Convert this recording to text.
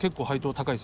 高い？